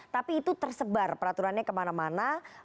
tapi itu tersebar peraturannya kemana mana